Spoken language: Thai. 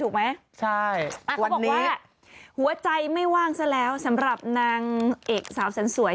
ถูกไหมใช่วันนี้หัวใจไม่ว่างซะแล้วสำหรับนางเอกสาวแสนสวย